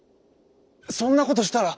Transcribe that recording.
「そんなことしたら！」。